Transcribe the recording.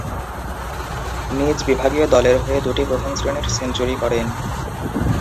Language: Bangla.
নিজ বিভাগীয় দলের হয়ে দু’টি প্রথম-শ্রেণীর সেঞ্চুরি করেন।